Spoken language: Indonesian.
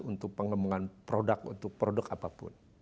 untuk pengembangan produk untuk produk apapun